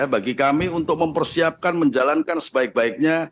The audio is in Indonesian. bagi kami untuk mempersiapkan menjalankan sebaik baiknya